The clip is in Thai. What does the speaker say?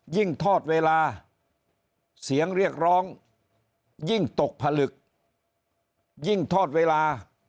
ทอดเวลาเสียงเรียกร้องยิ่งตกผลึกยิ่งทอดเวลา